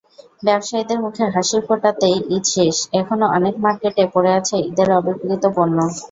ব্যবসায়ীদের মুখে হাসি ফোটাতেঈদ শেষ, এখনো অনেক মার্কেটে পড়ে আছে ঈদের অবিক্রীত পণ্য।